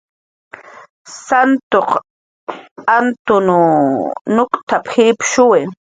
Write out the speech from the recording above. "Santuq Antun nuk'tap"" jipshuwi"